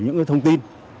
những thông tin